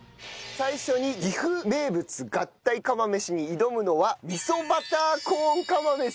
最初に岐阜名物合体釜飯に挑むのは味噌バターコーン釜飯です。